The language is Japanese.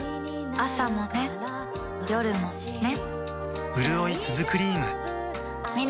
朝もね、夜もね